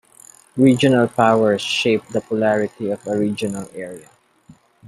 Regional powers shape the polarity of a regional area.